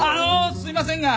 すいませんが。